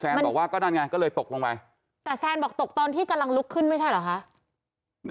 บอกว่าก็นั่นไงก็เลยตกลงไปแต่แซนบอกตกตอนที่กำลังลุกขึ้นไม่ใช่เหรอคะ